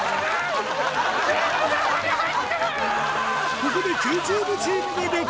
ここでＱＴｕｂｅチームが逆転